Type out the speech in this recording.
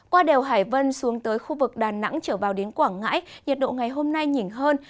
qua đèo hải vân xuống tới khu vực đà nẵng trở vào đến quảng ngãi nhiệt độ ngày hôm nay nhỉnh hơn